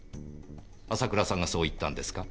浅倉さんがそう言ったのですか？